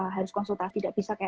harus konsultasi tidak bisa